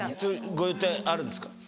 ご予定あるんですか？